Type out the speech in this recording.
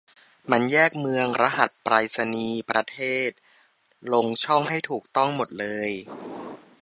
มันแยกเมือง รหัสไปรษณีย์ ประเทศ ลงช่องให้ถูกต้องหมดเลย